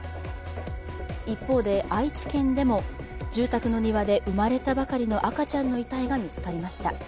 一方で愛知県でも住宅で生まれたばかりの赤ちゃんの遺体が見つかりました。